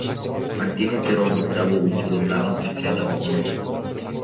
Анткени террордук чабуул учурунда ал Түркияда болгон эмес.